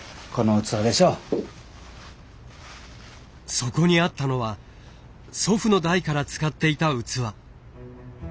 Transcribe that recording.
そこにあったのは祖父の代から使っていた器。